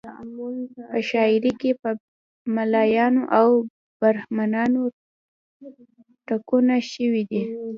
په شاعري کې په ملایانو او برهمنانو ټکونه شوي دي.